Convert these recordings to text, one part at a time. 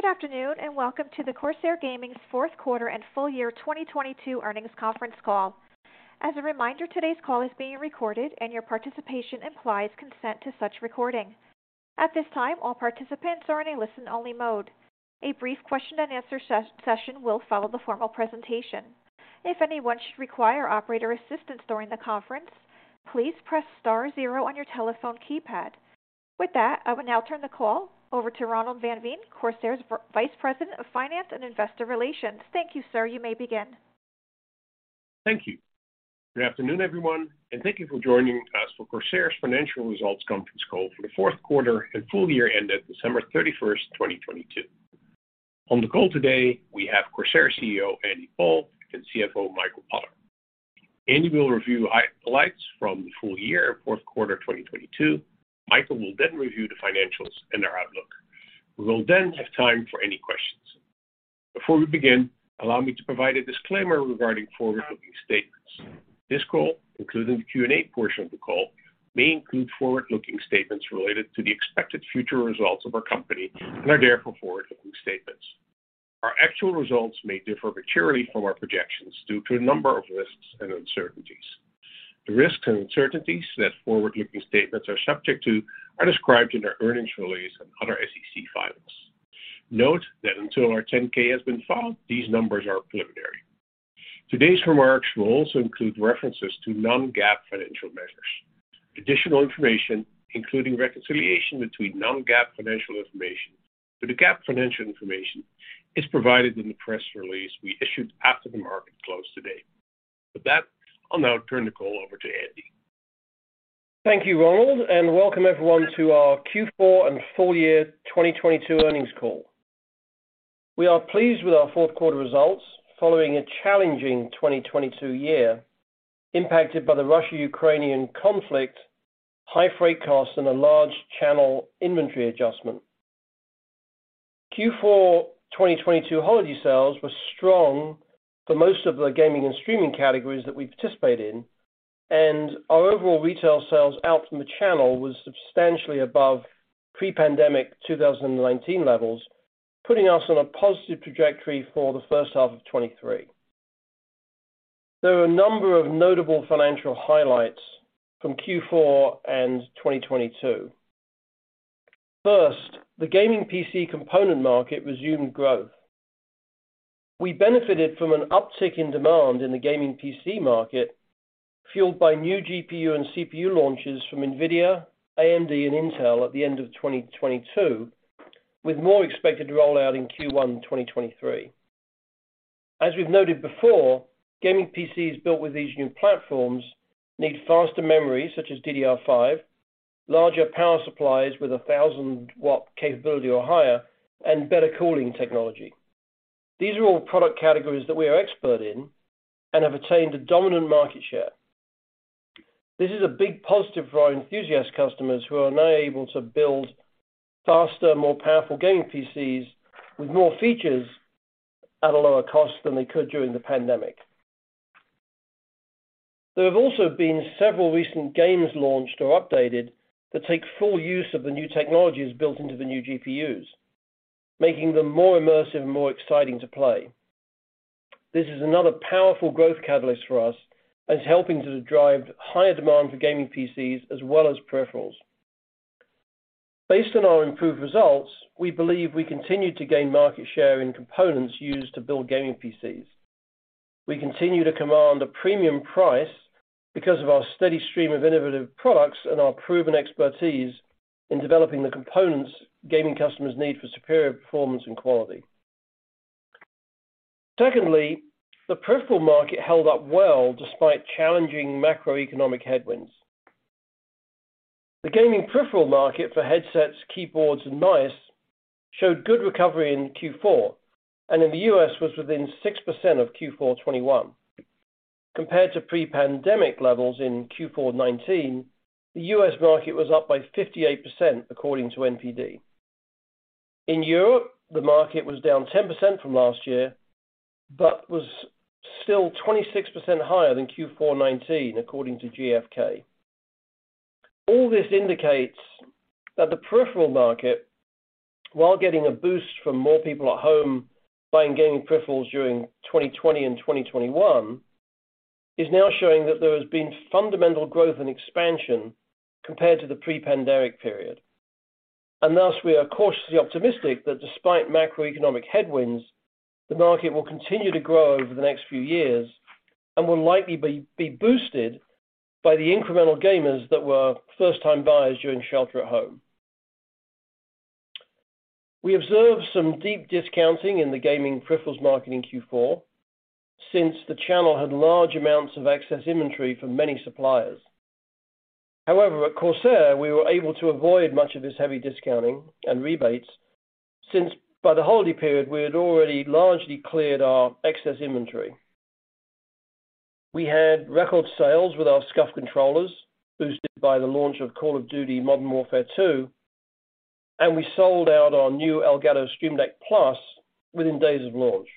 Good afternoon, welcome to the Corsair Gaming's fourth quarter and full year 2022 earnings conference call. As a reminder, today's call is being recorded and your participation implies consent to such recording. At this time, all participants are in a listen-only mode. A brief question-and-answer session will follow the formal presentation. If anyone should require operator assistance during the conference, please press star zero on your telephone keypad. I will now turn the call over to Ronald van Veen, Corsair's Vice President of Finance and Investor Relations. Thank you, sir. You may begin. Thank you. Good afternoon, everyone, and thank you for joining us for Corsair's financial results conference call for the 4th quarter and full year ended December 31, 2022. On the call today we have Corsair CEO, Andy Paul, and CFO, Michael Potter. Andy will review the highlights from the full year 4th quarter 2022. Michael will then review the financials and our outlook. We will then have time for any questions. Before we begin, allow me to provide a disclaimer regarding forward-looking statements. This call, including the Q&A portion of the call, may include forward-looking statements related to the expected future results of our company and are therefore forward-looking statements. Our actual results may differ materially from our projections due to a number of risks and uncertainties. The risks and uncertainties that forward-looking statements are subject to are described in our earnings release and other SEC filings. Note that until our 10-K has been filed, these numbers are preliminary. Today's remarks will also include references to non-GAAP financial measures. Additional information, including reconciliation between non-GAAP financial information to the GAAP financial information, is provided in the press release we issued after the market closed today. With that, I'll now turn the call over to Andy. Thank you, Ronald, welcome everyone to our Q4 and full year 2022 earnings call. We are pleased with our fourth quarter results following a challenging 2022 year impacted by the Russian-Ukrainian conflict, high freight costs, and a large channel inventory adjustment. Q4 2022 holiday sales were strong for most of the gaming and streaming categories that we participate in, and our overall retail sales out from the channel was substantially above pre-pandemic 2019 levels, putting us on a positive trajectory for the first half of 2023. There are a number of notable financial highlights from Q4 and 2022. First, the gaming PC component market resumed growth. We benefited from an uptick in demand in the gaming PC market, fueled by new GPU and CPU launches from, AMD, and Intel at the end of 2022, with more expected to roll out in Q1 2023. As we've noted before, gaming PCs built with these new platforms need faster memory, such as DDR5, larger power supplies with a 1,000 watt capability or higher, and better cooling technology. These are all product categories that we are expert in and have attained a dominant market share. This is a big positive for our enthusiast customers who are now able to build faster, more powerful gaming PCs with more features at a lower cost than they could during the pandemic. There have also been several recent games launched or updated that take full use of the new technologies built into the new GPUs, making them more immersive and more exciting to play. This is another powerful growth catalyst for us and is helping to drive higher demand for gaming PCs as well as peripherals. Based on our improved results, we believe we continue to gain market share in components used to build gaming PCs. We continue to command a premium price because of our steady stream of innovative products and our proven expertise in developing the components gaming customers need for superior performance and quality. Secondly, the peripheral market held up well despite challenging macroeconomic headwinds. The gaming peripheral market for headsets, keyboards, and mice showed good recovery in Q four, and in the U.S. was within 6% of Q four 2021. Compared to pre-pandemic levels in Q4 2019, the U.S. market was up by 58% according to NPD. In Europe, the market was down 10% from last year, but was still 26% higher than Q4 2019 according to GfK. All this indicates that the peripheral market, while getting a boost from more people at home buying gaming peripherals during 2020 and 2021, is now showing that there has been fundamental growth and expansion compared to the pre-pandemic period. We are cautiously optimistic that despite macroeconomic headwinds, the market will continue to grow over the next few years and will likely be boosted by the incremental gamers that were first-time buyers during shelter at home. We observed some deep discounting in the gaming peripherals market in Q4 since the channel had large amounts of excess inventory for many suppliers. However, at Corsair we were able to avoid much of this heavy discounting and rebates since by the holiday period we had already largely cleared our excess inventory. We had record sales with our SCUF controllers, boosted by the launch of Call of Duty: Modern Warfare II, and we sold out our new Elgato Stream Deck + within days of launch.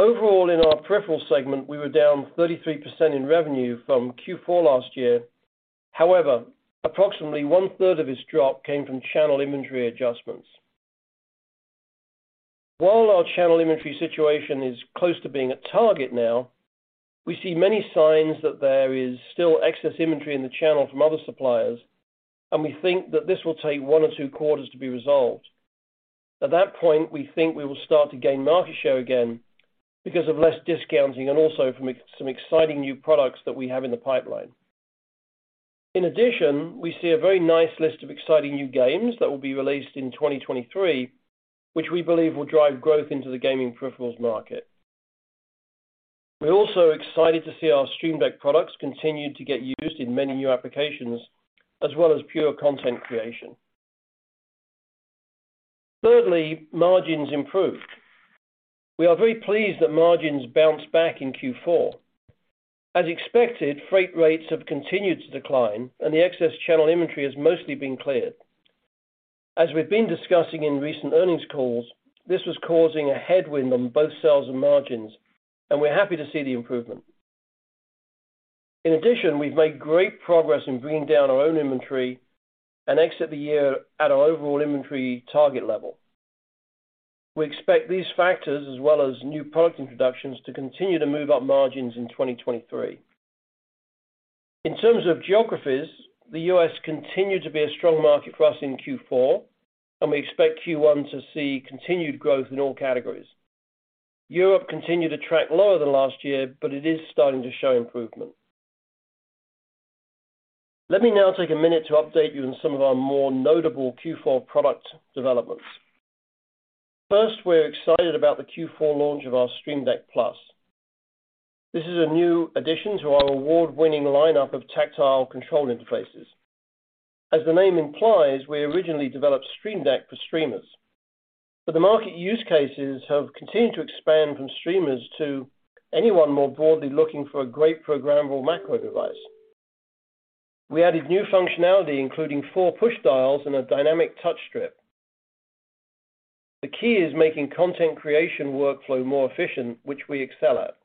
Overall, in our peripheral segment, we were down 33% in revenue from Q4 last year. However, approximately one-third of this drop came from channel inventory adjustments. While our channel inventory situation is close to being at target now, we see many signs that there is still excess inventory in the channel from other suppliers, and we think that this will take one or two quarters to be resolved. At that point, we think we will start to gain market share again because of less discounting and also from some exciting new products that we have in the pipeline. We see a very nice list of exciting new games that will be released in 2023, which we believe will drive growth into the gaming peripherals market. We're also excited to see our Stream Deck products continue to get used in many new applications, as well as pure content creation. Thirdly, margins improved. We are very pleased that margins bounced back in Q4. As expected, freight rates have continued to decline, and the excess channel inventory has mostly been cleared. As we've been discussing in recent earnings calls, this was causing a headwind on both sales and margins, and we're happy to see the improvement. In addition, we've made great progress in bringing down our own inventory and exit the year at our overall inventory target level. We expect these factors as well as new product introductions to continue to move up margins in 2023. In terms of geographies, the U.S. continued to be a strong market for us in Q4, and we expect Q1 to see continued growth in all categories. Europe continued to track lower than last year, but it is starting to show improvement. Let me now take a minute to update you on some of our more notable Q4 product developments. First, we're excited about the Q4 launch of our Stream Deck+. This is a new addition to our award-winning lineup of tactile control interfaces. As the name implies, we originally developed Stream Deck for streamers, but the market use cases have continued to expand from streamers to anyone more broadly looking for a great programmable macro device. We added new functionality, including four push dials and a dynamic touch strip. The key is making content creation workflow more efficient, which we excel at.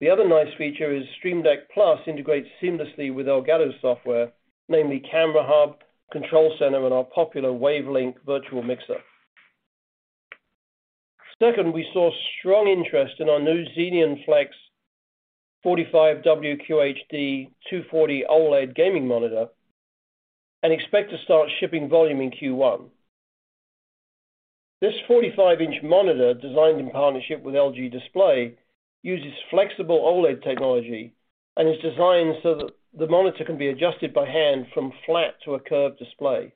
The other nice feature is Stream Deck+ integrates seamlessly with Elgato's software, namely Camera Hub, Control Center, and our popular Wave Link virtual mixer. We saw strong interest in our new XENEON FLEX 45 WQHD 240 OLED gaming monitor and expect to start shipping volume in Q1. This 45-inch monitor, designed in partnership with LG Display, uses flexible OLED technology and is designed so that the monitor can be adjusted by hand from flat to a curved display.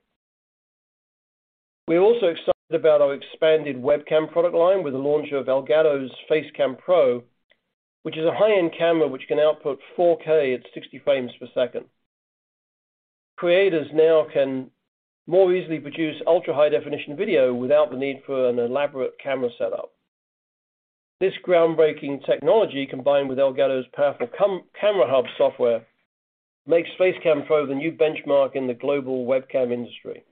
We're also excited about our expanded webcam product line with the launch of Elgato's Facecam Pro, which is a high-end camera which can output 4K at 60 frames per second. Creators now can more easily produce ultra-high definition video without the need for an elaborate camera setup. This groundbreaking technology, combined with Elgato's powerful Camera Hub software, makes Facecam Pro the new benchmark in the global webcam industry.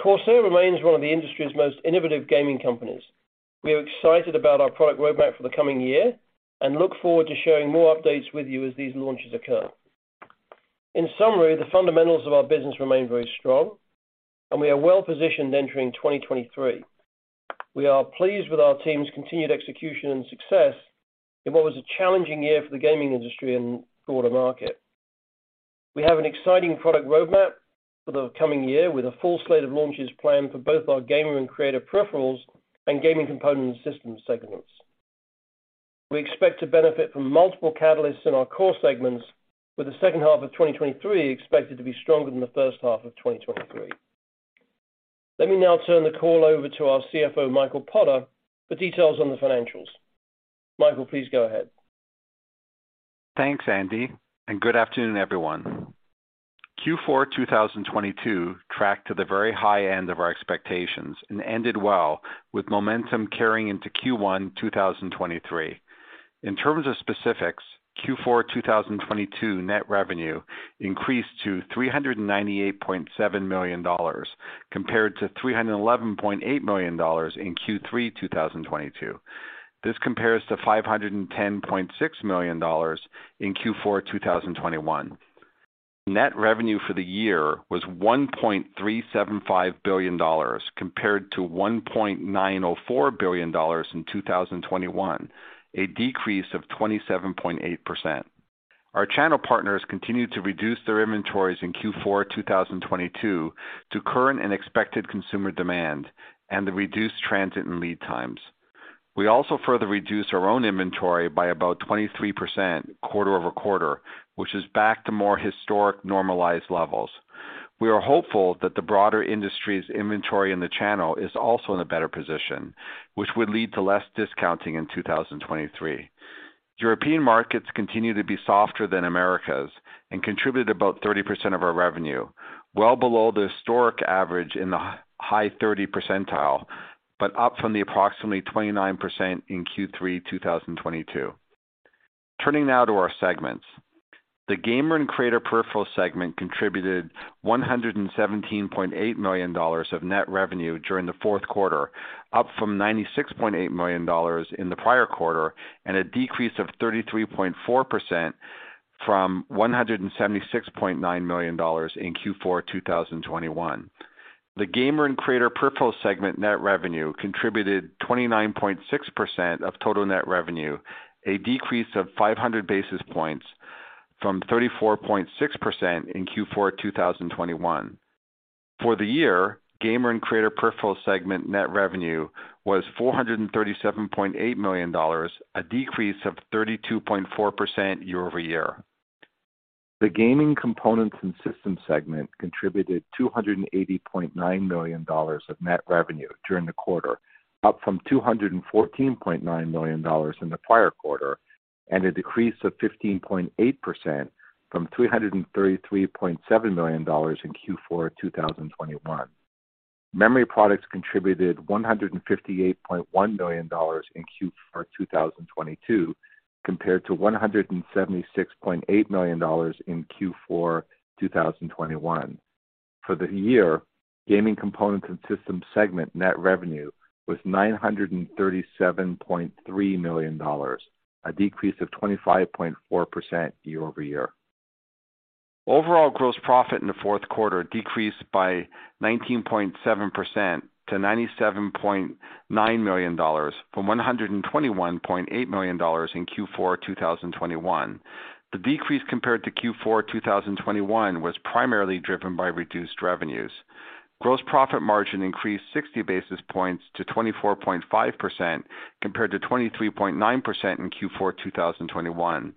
Corsair remains one of the industry's most innovative gaming companies. We are excited about our product roadmap for the coming year and look forward to sharing more updates with you as these launches occur. In summary, the fundamentals of our business remain very strong, and we are well positioned entering 2023. We are pleased with our team's continued execution and success in what was a challenging year for the gaming industry and broader market. We have an exciting product roadmap for the coming year with a full slate of launches planned for both our Gamer and Creator Peripherals and Gaming Components and Systems segments. We expect to benefit from multiple catalysts in our core segments with the second half of 2023 expected to be stronger than the first half of 2023. Let me now turn the call over to our CFO, Michael Potter, for details on the financials. Michael, please go ahead. Thanks, Andy. Good afternoon, everyone. Q4 2022 tracked to the very high end of our expectations and ended well with momentum carrying into Q1 2023. In terms of specifics, Q4 2022 net revenue increased to $398.7 million compared to $311 million in Q3 2022. This compares to $510.6 million in Q4 2021. Net revenue for the year was $1.375 billion compared to $1.9 billion in 2021, a decrease of 27.8%. Our channel partners continued to reduce their inventories in Q4 2022 to current and expected consumer demand and the reduced transit and lead times. We also further reduced our own inventory by about 23% quarter-over-quarter, which is back to more historic normalized levels. We are hopeful that the broader industry's inventory in the channel is also in a better position, which would lead to less discounting in 2023. European markets continue to be softer than Americas and contributed about 30% of our revenue, well below the historic average in the high 30 percentile, but up from the approximately 29% in Q3 2022. Turning now to our segments. The Gamer and Creator Peripheral segment contributed $117.8 million of net revenue during the fourth quarter, up from $96.8 million in the prior quarter, and a decrease of 33.4% from $176.9 million in Q4 2021. The Gamer and Creator Peripherals segment net revenue contributed 29.6% of total net revenue, a decrease of 500 basis points from 34.6% in Q4 2021. For the year, Gamer and Creator Peripherals segment net revenue was $437.8 million, a decrease of 32.4% year-over-year. The Gaming Components and Systems segment contributed $280.9 million of net revenue during the quarter, up from $214.9 million in the prior quarter and a decrease of 15.8% from $333.7 million in Q4 2021. Memory Products contributed $158.1 million in Q4 2022, compared to $176.8 million in Q4 2021. For the year, Gaming Components and Systems segment net revenue was $937.3 million, a decrease of 25.4% year-over-year. Overall gross profit in the fourth quarter decreased by 19.7% to $97.9 million from $121.8 million in Q4 2021. The decrease compared to Q4 2021 was primarily driven by reduced revenues. Gross profit margin increased 60 basis points to 24.5% compared to 23.9% in Q4 2021.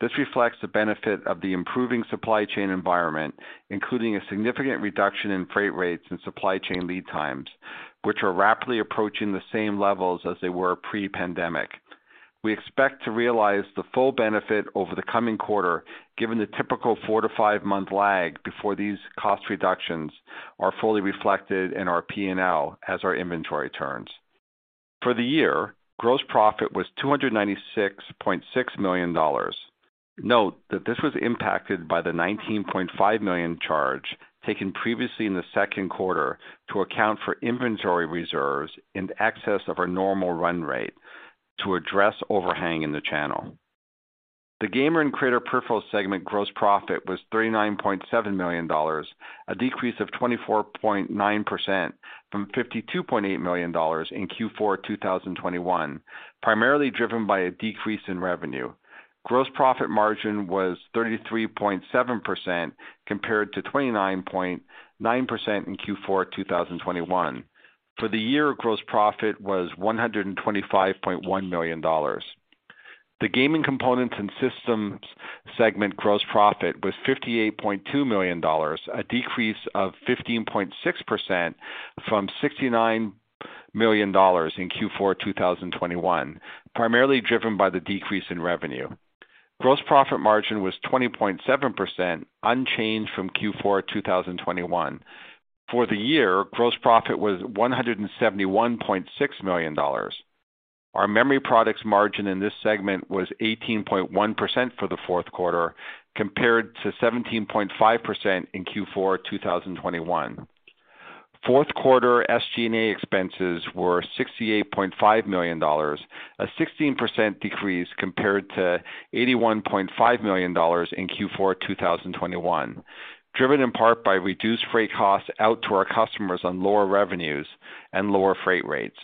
This reflects the benefit of the improving supply chain environment, including a significant reduction in freight rates and supply chain lead times, which are rapidly approaching the same levels as they were pre-pandemic. We expect to realize the full benefit over the coming quarter given the typical four to five-month lag before these cost reductions are fully reflected in our P and L as our inventory turns. For the year, gross profit was $296.6 million. Note that this was impacted by the $19.5 million charge taken previously in the second quarter to account for inventory reserves in excess of our normal run rate to address overhang in the channel. The Gamer and Creator Peripherals segment gross profit was $39.7 million, a decrease of 24.9% from $52.8 million in Q4 2021, primarily driven by a decrease in revenue. Gross profit margin was 33.7% compared to 29.9% in Q4 2021. For the year, gross profit was $125.1 million. The Gaming Components and Systems segment gross profit was $58.2 million, a decrease of 15.6% from $69 million in Q4 2021, primarily driven by the decrease in revenue. Gross profit margin was 20.7%, unchanged from Q4 2021. For the year, gross profit was $171.6 million. Our Memory Products margin in this segment was 18.1% for the fourth quarter, compared to 17.5% in Q4 2021. Fourth quarter SG&A expenses were $68.5 million, a 16% decrease compared to $81.5 million in Q4 2021, driven in part by reduced freight costs out to our customers on lower revenues and lower freight rates.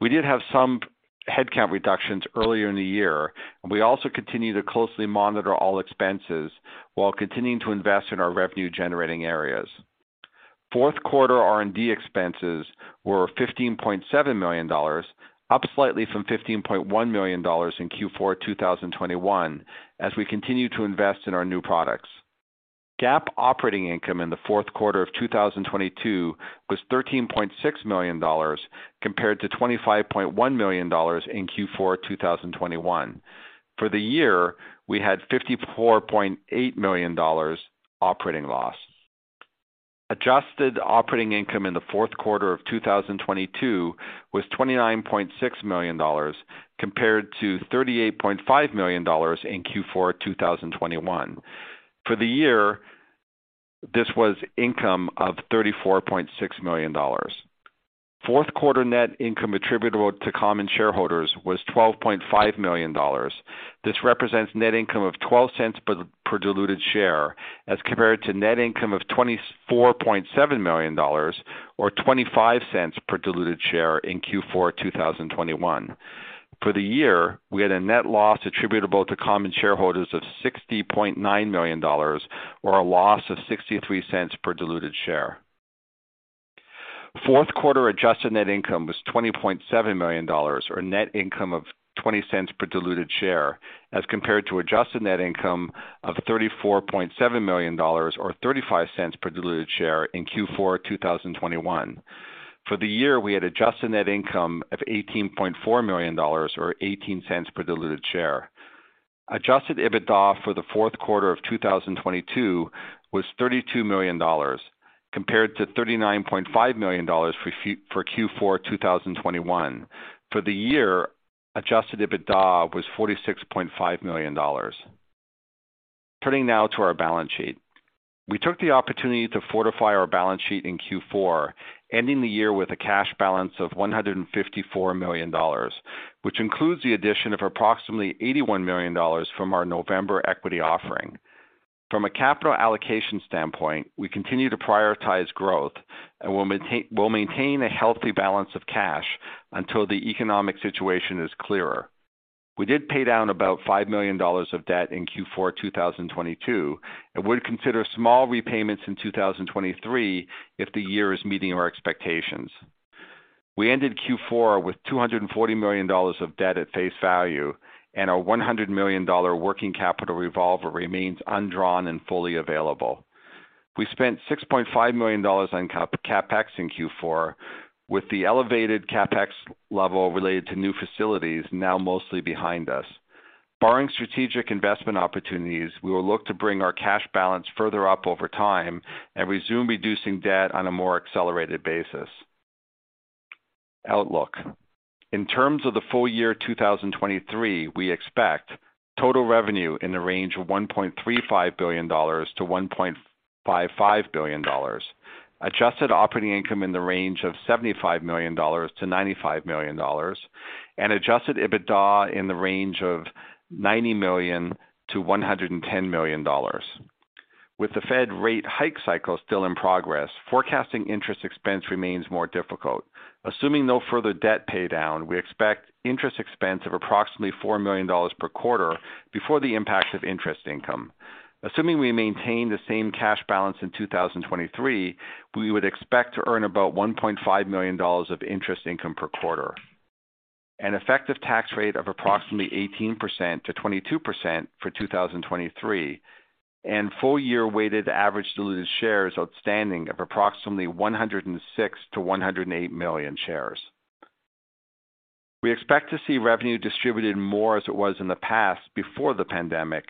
We did have some headcount reductions earlier in the year. We also continue to closely monitor all expenses while continuing to invest in our revenue generating areas. Fourth quarter R&D expenses were $15.7 million, up slightly from $15.1 million in Q4 2021, as we continue to invest in our new products. GAAP operating income in the fourth quarter of 2022 was $13.6 million compared to $25.1 million in Q4 2021. For the year, we had $54.8 million operating loss. Adjusted operating income in the fourth quarter of 2022 was $29.6 million compared to $38.5 million in Q4 2021. For the year, this was income of $34.6 million. Fourth quarter net income attributable to common shareholders was $12.5 million. This represents net income of $0.12 per diluted share as compared to net income of $24.7 million or $0.25 per diluted share in Q4 2021. For the year, we had a net loss attributable to common shareholders of $60.9 million or a loss of $0.63 per diluted share. Fourth quarter adjusted net income was $20.7 million or a net income of $0.20 per diluted share, as compared to adjusted net income of $34.7 million or $0.35 per diluted share in Q4 2021. For the year, we had adjusted net income of $18.4 million or $0.18 per diluted share. Adjusted EBITDA for the fourth quarter of 2022 was $32 million. Compared to $39.5 million for Q4 2021. For the year, adjusted EBITDA was $46.5 million. Turning now to our balance sheet. We took the opportunity to fortify our balance sheet in Q4, ending the year with a cash balance of $154 million, which includes the addition of approximately $81 million from our November equity offering. From a capital allocation standpoint, we continue to prioritize growth and we'll maintain a healthy balance of cash until the economic situation is clearer. We did pay down about $5 million of debt in Q4 2022, and would consider small repayments in 2023 if the year is meeting our expectations. We ended Q4 with $240 million of debt at face value, and our $100 million working capital revolver remains undrawn and fully available. We spent $6.5 million on CapEx in Q4, with the elevated CapEx level related to new facilities now mostly behind us. Barring strategic investment opportunities, we will look to bring our cash balance further up over time and resume reducing debt on a more accelerated basis. Outlook. In terms of the full year 2023, we expect total revenue in the range of $1.35 billion-$1.55 billion, adjusted operating income in the range of $75 million-$95 million, and adjusted EBITDA in the range of $90 million-$110 million. With the Fed rate hike cycle still in progress, forecasting interest expense remains more difficult. Assuming no further debt pay down, we expect interest expense of approximately $4 million per quarter before the impact of interest income. Assuming we maintain the same cash balance in 2023, we would expect to earn about $1.5 million of interest income per quarter. An effective tax rate of approximately 18%-22% for 2023, and full year weighted average diluted shares outstanding of approximately 106-108 million shares. We expect to see revenue distributed more as it was in the past before the pandemic,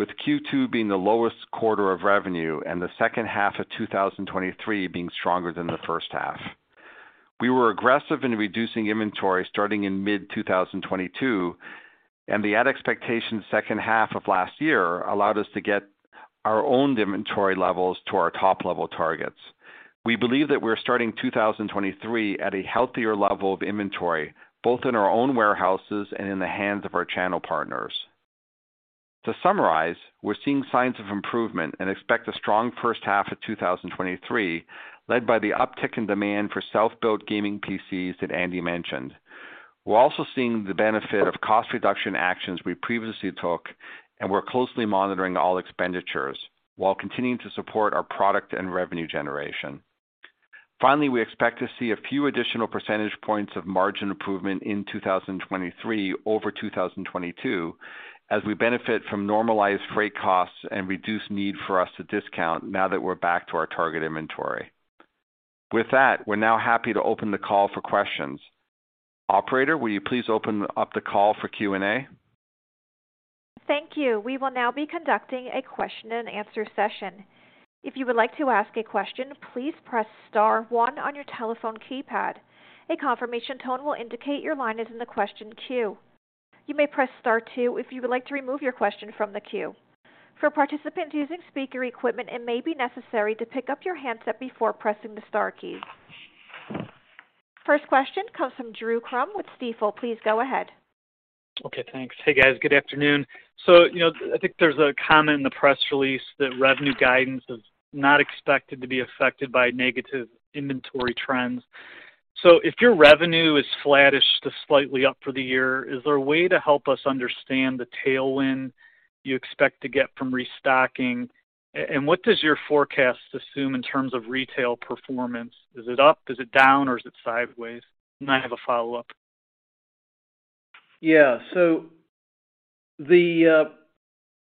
with Q2 being the lowest quarter of revenue and the second half of 2023 being stronger than the first half. We were aggressive in reducing inventory starting in mid-2022, and the at expectation second half of last year allowed us to get our own inventory levels to our top-level targets. We believe that we're starting 2023 at a healthier level of inventory, both in our own warehouses and in the hands of our channel partners. To summarize, we're seeing signs of improvement and expect a strong first half of 2023, led by the uptick in demand for self-built gaming PCs that Andy mentioned. We're also seeing the benefit of cost reduction actions we previously took, and we're closely monitoring all expenditures while continuing to support our product and revenue generation. Finally, we expect to see a few additional percentage points of margin improvement in 2023 over 2022 as we benefit from normalized freight costs and reduced need for us to discount now that we're back to our target inventory. With that, we're now happy to open the call for questions. Operator, will you please open up the call for Q&A? Thank you. We will now be conducting a question and answer session. If you would like to ask a question, please press star one on your telephone keypad. A confirmation tone will indicate your line is in the question queue. You may press star two if you would like to remove your question from the queue. For participants using speaker equipment, it may be necessary to pick up your handset before pressing the star key. First question comes from Drew Crum with Stifel. Please go ahead. Okay, thanks. Hey, guys. Good afternoon. I think there's a comment in the press release that revenue guidance is not expected to be affected by negative inventory trends. If your revenue is flattish to slightly up for the year, is there a way to help us understand the tailwind you expect to get from restocking? And what does your forecast assume in terms of retail performance? Is it up, is it down, or is it sideways? I have a follow-up. Yeah.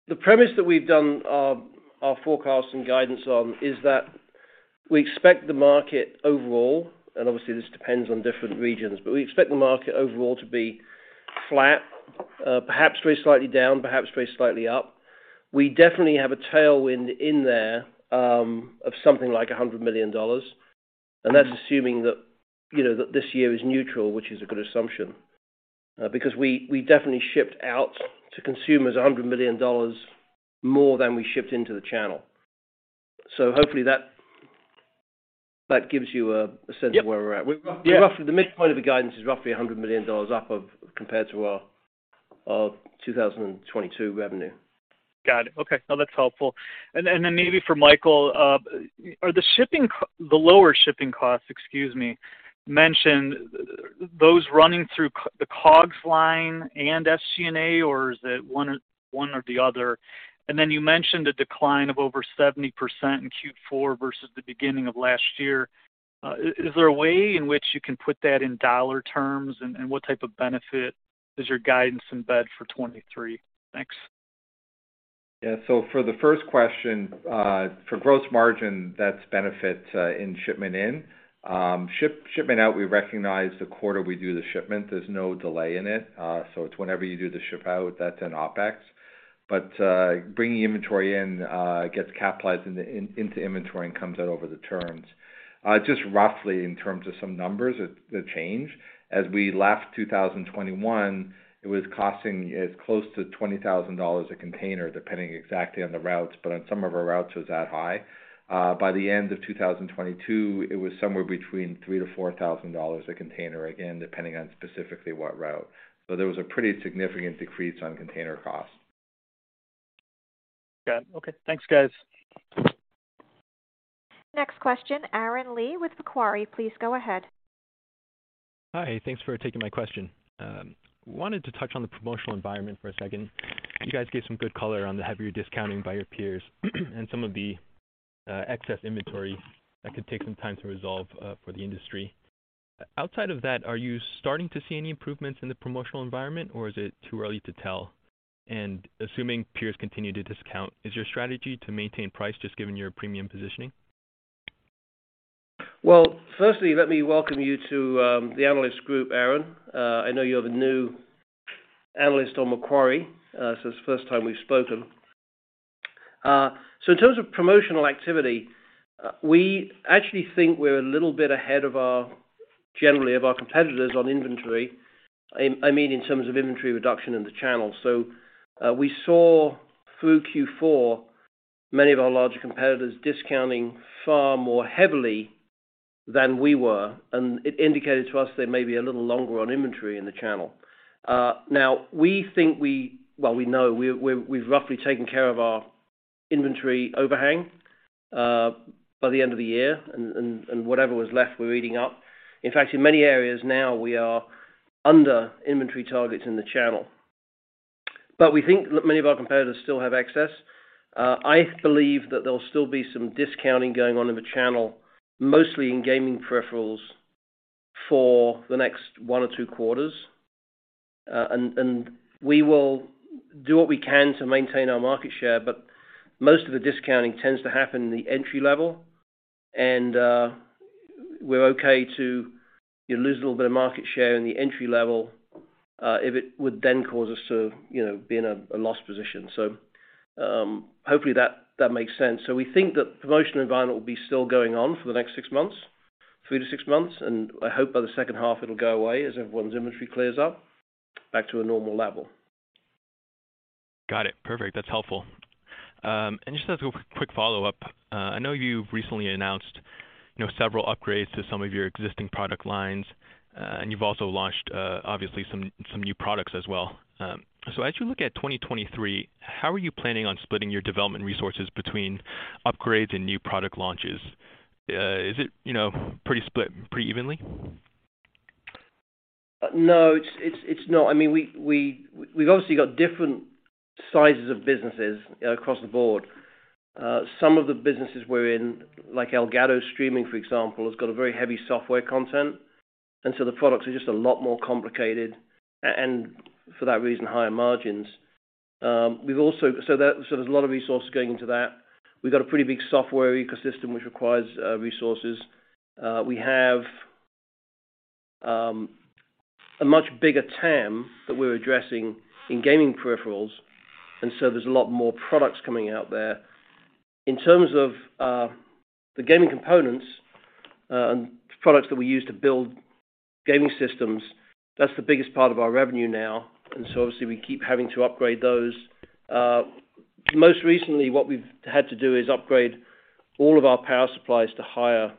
The premise that we've done our forecast and guidance on is that we expect the market overall, and obviously this depends on different regions, but we expect the market overall to be flat, perhaps very slightly down, perhaps very slightly up. We definitely have a tailwind in there, of something like $100 million, and that's assuming that that this year is neutral, which is a good assumption, because we definitely shipped out to consumers $100 million more than we shipped into the channel. Hopefully that gives you a sense. Yep ...of where we're at. Yeah. Roughly the midpoint of the guidance is roughly $100 million up of compared to our 2022 revenue. Got it. Okay. No, that's helpful. Then maybe for Michael, are the shipping the lower shipping costs, excuse me, mentioned those running through the COGS line and SG&A, or is it one or the other? Then you mentioned a decline of over 70% in Q4 versus the beginning of last year. Is there a way in which you can put that in dollar terms, and what type of benefit is your guidance embed for 2023? Thanks. For the first question, for gross margin, that's benefit, in shipment in. Shipment out, we recognize the quarter we do the shipment. There's no delay in it. It's whenever you do the ship out, that's an OpEx. Bringing inventory in, gets capitalized in to inventory and comes out over the terms. Just roughly in terms of some numbers that changed, as we left 2021, it was costing as close to $20,000 a container, depending exactly on the routes, but on some of our routes, it was that high. By the end of 2022, it was somewhere between $3,000-$4,000 a container, again, depending on specifically what route. There was a pretty significant decrease on container costs. Got it. Okay. Thanks, guys. Next question, Aaron Lee with Macquarie. Please go ahead. Hi. Thanks for taking my question. Wanted to touch on the promotional environment for a second. You guys gave some good color on the heavier discounting by your peers and some of the excess inventory that could take some time to resolve for the industry. Outside of that, are you starting to see any improvements in the promotional environment, or is it too early to tell? Assuming peers continue to discount, is your strategy to maintain price just given your premium positioning? Well, firstly, let me welcome you to the analyst group, Aaron. I know you're the new analyst on Macquarie, it's the first time we've spoken. In terms of promotional activity, we actually think we're a little bit ahead of our, generally, of our competitors on inventory, I mean, in terms of inventory reduction in the channel. We saw through Q4 many of our larger competitors discounting far more heavily than we were, and it indicated to us they may be a little longer on inventory in the channel. Now Well, we know we've roughly taken care of our inventory overhang by the end of the year, and whatever was left, we're eating up. In fact, in many areas now we are under inventory targets in the channel. We think that many of our competitors still have access. I believe that there'll still be some discounting going on in the channel, mostly in gaming peripherals for the next one or two quarters. We will do what we can to maintain our market share, but most of the discounting tends to happen in the entry-level, and we're okay to lose a little bit of market share in the entry-level, if it would then cause us to be in a loss position. Hopefully that makes sense. We think that the promotional environment will be still going on for the next 6 months, 3 to 6 months, and I hope by the second half it'll go away as everyone's inventory clears up back to a normal level. Got it. Perfect. That's helpful. Just as a quick follow-up. I know you've recently announced several upgrades to some of your existing product lines, and you've also launched, obviously some new products as well. As you look at 2023, how are you planning on splitting your development resources between upgrades and new product launches? Is it pretty split pretty evenly? No, it's not. We've obviously got different sizes of businesses across the board. Some of the businesses we're in, like Elgato, for example, has got a very heavy software content. The products are just a lot more complicated and for that reason, higher margins. There's a lot of resources going into that. We've got a pretty big software ecosystem, which requires resources. We have a much bigger TAM that we're addressing in gaming peripherals, there's a lot more products coming out there. In terms of the gaming components and products that we use to build gaming systems, that's the biggest part of our revenue now. Obviously, we keep having to upgrade those. Most recently, what we've had to do is upgrade all of our power supplies to higher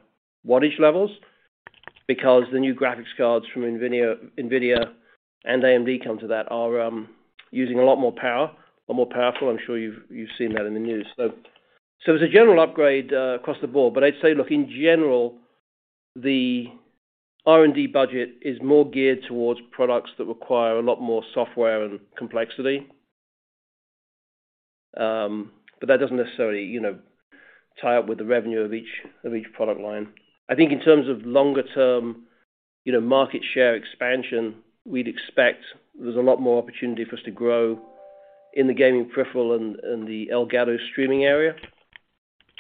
wattage levels because the new graphics cards from NVIDIA and AMD come to that are using a lot more power or more powerful. I'm sure you've seen that in the news. As a general upgrade across the board, but I'd say, look, in general, the R&D budget is more geared towards products that require a lot more software and complexity. That doesn't necessarily tie up with the revenue of each product line. I think in terms of longer term market share expansion, we'd expect there's a lot more opportunity for us to grow in the gaming peripheral and the Elgato streaming area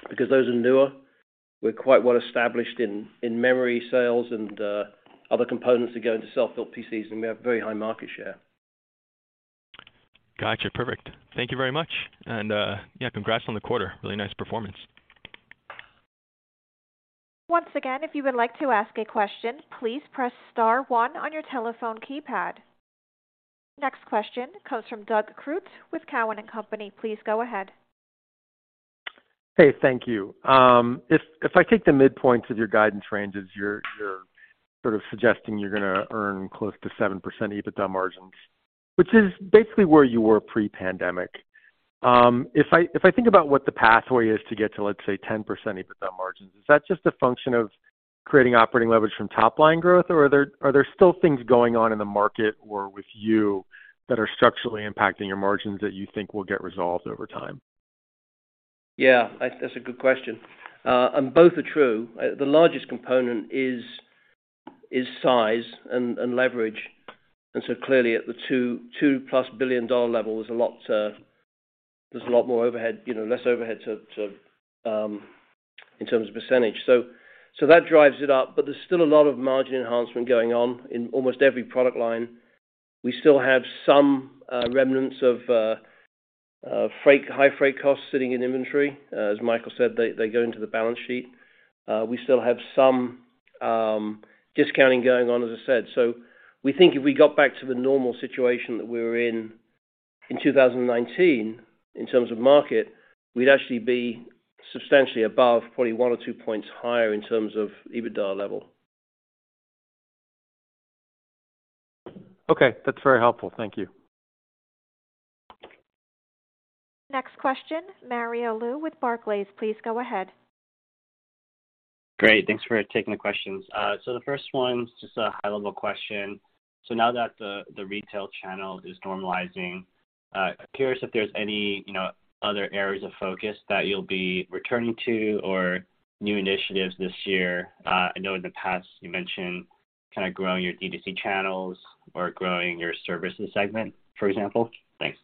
because those are newer. We're quite well established in memory sales and other components that go into self-built PCs, and we have very high market share. Got you. Perfect. Thank you very much. Yeah, congrats on the quarter. Really nice performance. Once again, if you would like to ask a question, please press star one on your telephone keypad. Next question comes from Doug Creutz with Cowen and Company. Please go ahead. Hey, thank you. If I take the midpoint of your guidance ranges, you're sort of suggesting you're gonna earn close to 7% EBITDA margins, which is basically where you were pre-pandemic. If I think about what the pathway is to get to, let's say, 10% EBITDA margins, is that just a function of creating operating leverage from top-line growth, or are there still things going on in the market or with you that are structurally impacting your margins that you think will get resolved over time? Yeah, that's a good question. Both are true. The largest component is size and leverage. Clearly at the $2 plus billion level, there's a lot more overhead less overhead in terms of %. That drives it up, but there's still a lot of margin enhancement going on in almost every product line. We still have some remnants of freight, high freight costs sitting in inventory. As Michael said, they go into the balance sheet. We still have some discounting going on, as I said. We think if we got back to the normal situation that we were in 2019 in terms of market, we'd actually be substantially above probably 1 or 2 points higher in terms of EBITDA level. Okay. That's very helpful. Thank you. Next question, Mario Lu with Barclays. Please go ahead. Great. Thanks for taking the questions. The first one's just a high-level question. Now that the retail channel is normalizing, curious if there's any other areas of focus that you'll be returning to or new initiatives this year. I know in the past you mentioned kind of growing your D2C channels or growing your services segment, for example. Thanks.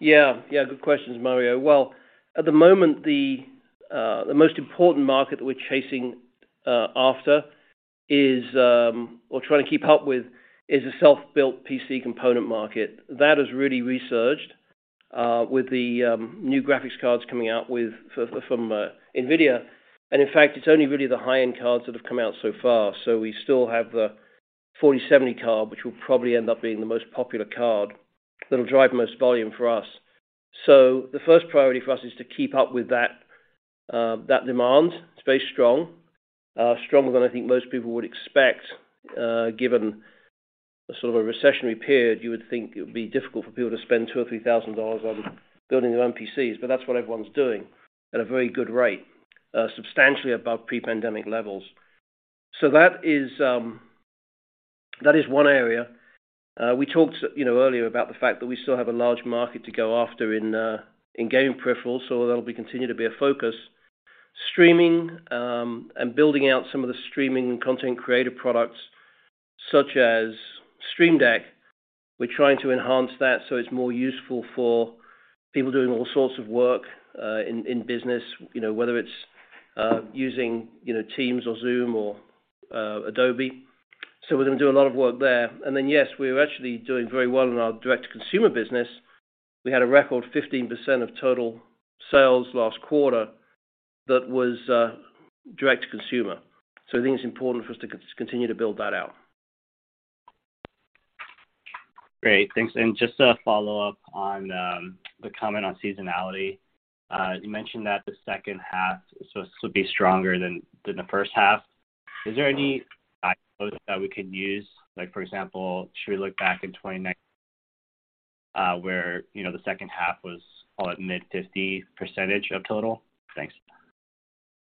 Yeah. Yeah. Good questions, Mario. Well, at the moment, the most important market that we're chasing after is or trying to keep up with is the self-built PC component market. That has really resurged with the new graphics cards coming out from NVIDIA. In fact, it's only really the high-end cards that have come out so far. We still have the RTX 4070 card, which will probably end up being the most popular card that'll drive the most volume for us. The first priority for us is to keep up with that demand. It's very strong, stronger than I think most people would expect, given the sort of a recessionary period, you would think it would be difficult for people to spend $2,000 or $3,000 on building their own PCs, but that's what everyone's doing at a very good rate, substantially above pre-pandemic levels. That is one area. We talked earlier about the fact that we still have a large market to go after in game peripherals, so that'll continue to be a focus. Streaming, and building out some of the streaming content creative products such as Stream Deck. We're trying to enhance that so it's more useful for people doing all sorts of work in business whether it's using Teams or Zoom or Adobe. We're going to do a lot of work there. Yes, we are actually doing very well in our direct-to-consumer business. We had a record 15% of total sales last quarter that was direct-to-consumer. I think it's important for us to continue to build that out. Great. Thanks. Just a follow-up on the comment on seasonality. You mentioned that the second half, so this will be stronger than the first half. Is there any that we could use? Like, for example, should we look back in 2019, where the second half was all at mid 50% of total? Thanks.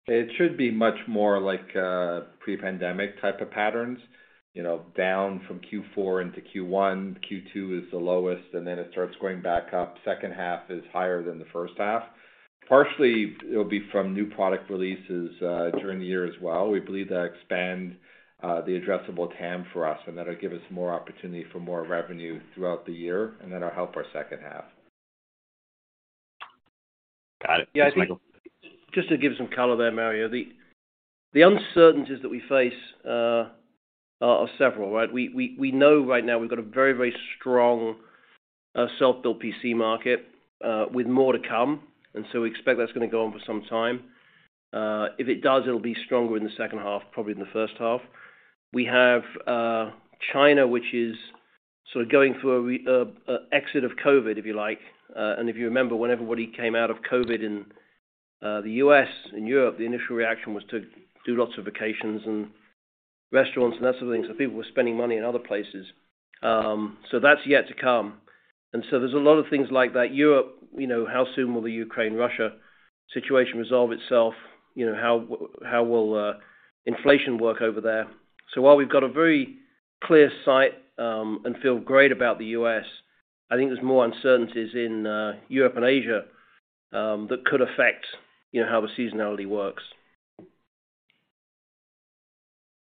It should be much more like a pre-pandemic type of patterns down from Q4 into Q1, Q2 is the lowest, and then it starts going back up. Second half is higher than the first half. Partially, it'll be from new product releases during the year as well. We believe that expand the addressable TAM for us, and that'll give us more opportunity for more revenue throughout the year, and that'll help our second half. Got it. Thanks, Michael. Just to give some color there, Mario. The uncertainties that we face are several, right? We know right now we've got a very, very strong self-built PC market with more to come, and so we expect that's gonna go on for some time. If it does, it'll be stronger in the second half probably than the first half. We have China, which is sort of going through an exit of COVID, if you like. If you remember when everybody came out of COVID in the U.S. and Europe, the initial reaction was to do lots of vacations and restaurants and that sort of thing. People were spending money in other places. That's yet to come. There's a lot of things like that. europe how soon will the Ukraine-Russia situation resolve itself?, how will inflation work over there? While we've got a very clear sight, and feel great about the U.S., I think there's more uncertainties in Europe and Asia, that could affect how the seasonality works.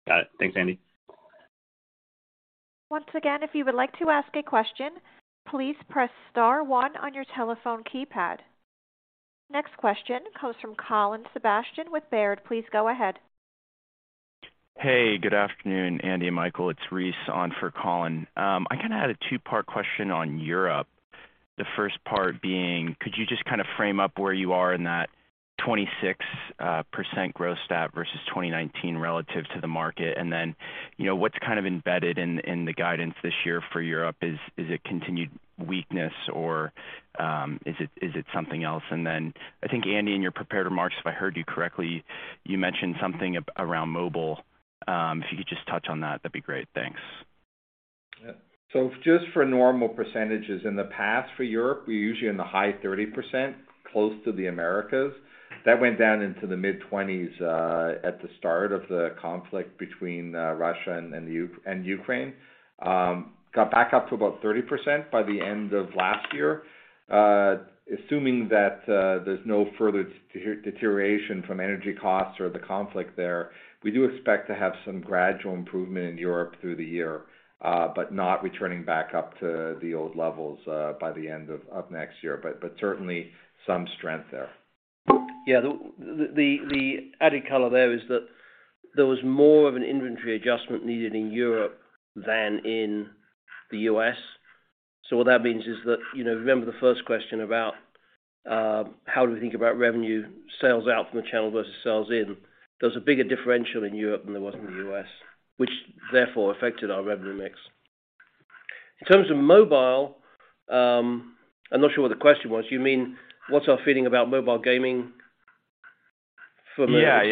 Got it. Thanks, Andy. Once again, if you would like to ask a question, please press star one on your telephone keypad. Next question comes from Colin Sebastian with Baird. Please go ahead. Hey, good afternoon, Andy and Michael. It's Reese on for Colin. I kind of had a two-part question on Europe. The first part being, could you just kind of frame up where you are in that 26% growth stat versus 2019 relative to the market? What's kind of embedded in the guidance this year for Europe is it continued weakness or is it something else? I think, Andy, in your prepared remarks, if I heard you correctly, you mentioned something around mobile. If you could just touch on that'd be great. Thanks. Yeah. Just for normal percentages in the past for Europe, we're usually in the high 30%, close to the Americas. That went down into the mid-20s at the start of the conflict between Russia and Ukraine. Got back up to about 30% by the end of last year. Assuming that there's no further deterioration from energy costs or the conflict there, we do expect to have some gradual improvement in Europe through the year, but not returning back up to the old levels by the end of next year. But certainly some strength there. Yeah. The added color there is that there was more of an inventory adjustment needed in Europe than in the US. What that means is that remember the first question about how do we think about revenue sales out from the channel versus sales in. There was a bigger differential in Europe than there was in the U.S. which therefore affected our revenue mix. In terms of mobile, I'm not sure what the question was. You mean, what's our feeling about mobile gaming for mobile accessories?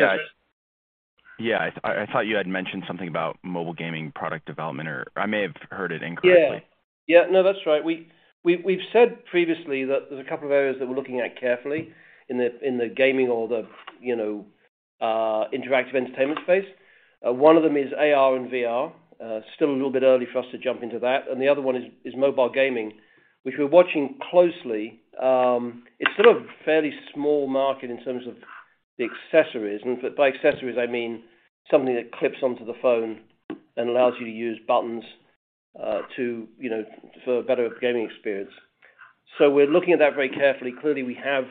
Yeah. Yeah. Yeah. I thought you had mentioned something about mobile gaming product development or I may have heard it incorrectly. Yeah. Yeah. No, that's right. We've said previously that there's a couple of areas that we're looking at carefully in the gaming or the interactive entertainment space. One of them is AR and VR. Still a little bit early for us to jump into that. The other one is mobile gaming, which we're watching closely. It's still a fairly small market in terms of the accessories. By accessories, I mean something that clips onto the phone and allows you to use buttons, to for a better gaming experience. We're looking at that very carefully. Clearly, we have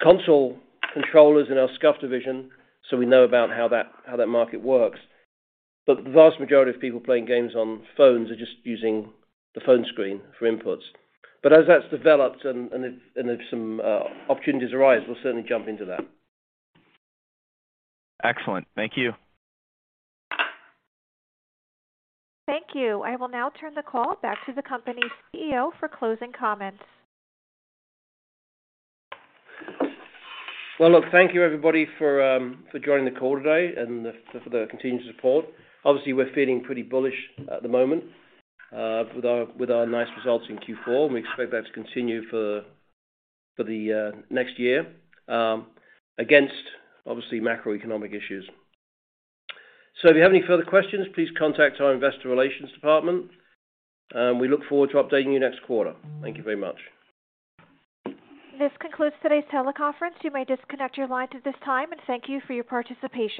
console controllers in our SCUF division, we know about how that market works. The vast majority of people playing games on phones are just using the phone screen for inputs. As that's developed and if some opportunities arise, we'll certainly jump into that. Excellent. Thank you. Thank you. I will now turn the call back to the company's CEO for closing comments. Well, look, thank you, everybody, for joining the call today and for the continued support. Obviously, we're feeling pretty bullish at the moment, with our nice results in Q4, and we expect that to continue for the next year, against, obviously, macroeconomic issues. If you have any further questions, please contact our investor relations department. We look forward to updating you next quarter. Thank you very much. This concludes today's teleconference. You may disconnect your lines at this time, and thank you for your participation.